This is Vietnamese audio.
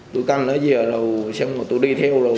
tôi canh nó dìu rồi xong rồi tôi đi theo rồi